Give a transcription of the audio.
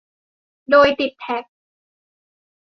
โดยติดแท็ก